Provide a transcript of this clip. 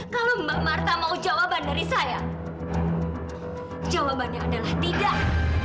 kalau mbak marta mau jawaban dari saya jawabannya adalah tidak